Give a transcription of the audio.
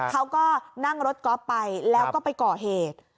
เขาก็นั่งรถก๊อฟไปแล้วก็ไปก่อเหตุ